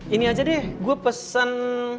ini aja deh gue pesen